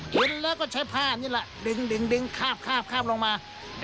เห็นแล้วก็ใช้ผ้านี่ล่ะดึงดึงดึงข้าบข้าบลงมา